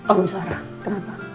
oh sarah kenapa